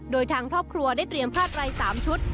โดยทางครอบครัวได้เตรียมผ้าไตร๓ชุด